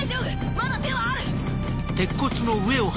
まだ手はある！